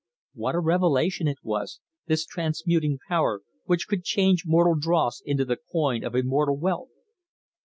What a revelation it was, this transmuting power, which could change mortal dross into the coin of immortal wealth!